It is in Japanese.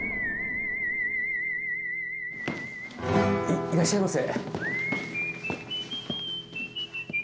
いいらっしゃいませ。